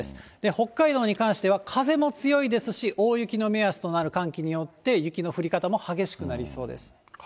北海道に関しては風も強いですし、大雪の目安となる寒気によって、雪の降り方も激しくなりそうです。